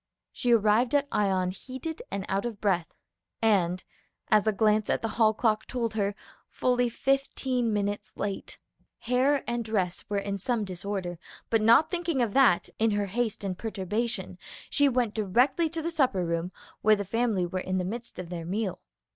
She arrived at Ion heated and out of breach, and, as a glance at the hall clock told her, fully fifteen minutes late. Hair and dress were in some disorder, but not thinking of that, in her haste and perturbation, she went directly to the supper room, where the family were in the midst of their meal.